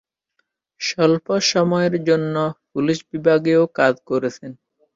স্বল্প সময়ের জন্য পুলিশ বিভাগেও কাজ করেছেন।